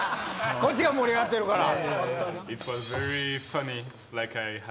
こっちが盛り上がってるから。